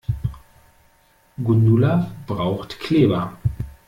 Gundula braucht Kleber.